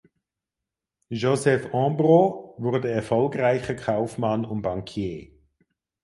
Joseph Hambro wurde erfolgreicher Kaufmann und Bankier.